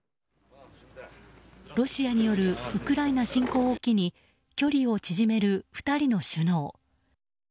ロシアによるウクライナ侵攻を機に距離を縮める２人の首脳。